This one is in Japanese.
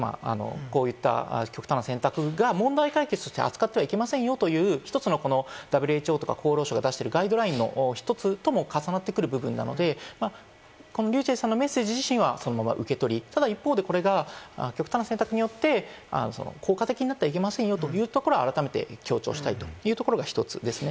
こういった極端な選択が問題解決として扱ってはいけませんよという一つの、ＷＨＯとか厚労省が出しているガイドラインの一つとも重なってくるので、このｒｙｕｃｈｅｌｌさんのメッセージ自身はそのまま受け取り、ただ一方でこれが極端な選択によって効果的になってはいけませんよというところを改めて強調したいというところが一つですね。